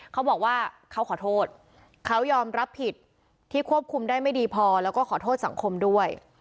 เขาบอกว่าเขาขอโทษเขายอมรับผิดที่ควบคุมได้ไม่ดีพอแล้วก็ขอโทษสังคมด้วย